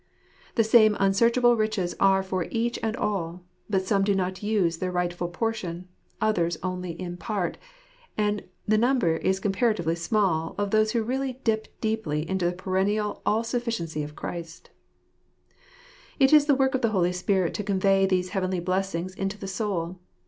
The same unsearchable riches are for each and all : but some do not use their rightful portion ; others only in part ; and the number is comparatively small of those who really dip deeply into the perennial all sufficiency of Jesus. It is the work of the Holy Spirit to convey these heavenly blessings into the soul.